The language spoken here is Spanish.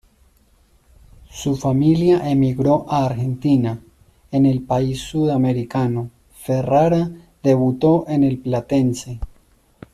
Su familia emigró a Argentina; en el país sudamericano, Ferrara debutó en el Platense.